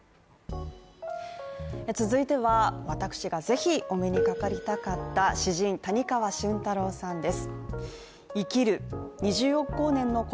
続いては、私がぜひお目にかかりたかった詩人谷川俊太郎さんです。